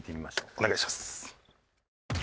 お願いします。